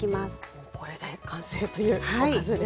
もうこれで完成という「おかず冷凍」です。